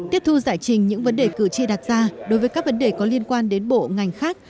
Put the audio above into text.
tiếp thu giải trình những vấn đề cử tri đặt ra đối với các vấn đề có liên quan đến bộ ngành khác